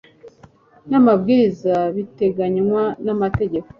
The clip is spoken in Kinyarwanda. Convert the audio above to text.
n amabwiriza biteganywa n amategeko